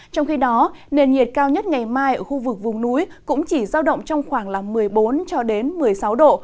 trong khi đó nền nhiệt cao nhất ngày mai ở khu vực vùng núi cũng chỉ giao động trong khoảng một mươi bốn cho đến một mươi sáu độ